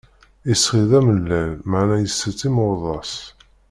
Isɣi d amellal, meεna itett imurḍas.